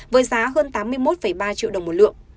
với giá hơn tám mươi một ba triệu đồng một lượng